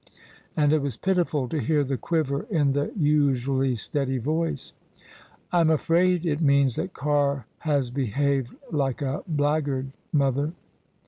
" And it was pitiful to hear the quiver in the usually steady voice. " Fm afraid it means that Carr has behaved like a black guard, mother."